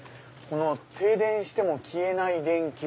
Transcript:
「停電しても消えない電球」。